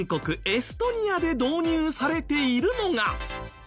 エストニアで導入されているのが。